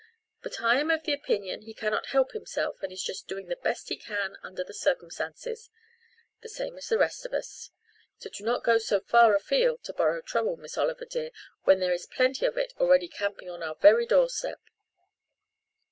But I am of the opinion he cannot help himself and is just doing the best he can under the circumstances, the same as the rest of us. So do not go so far afield to borrow trouble, Miss Oliver dear, when there is plenty of it already camping on our very doorstep."